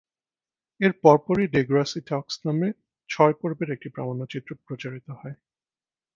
এর পরপরই "ডেগ্রাসি টকস" নামে ছয় পর্বের একটি প্রামাণ্যচিত্র প্রচারিত হয়।